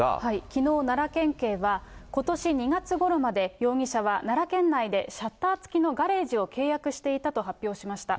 きのう、奈良県警はことし２月ごろまで、容疑者は奈良県内でシャッター付きのガレージを契約していたと発表しました。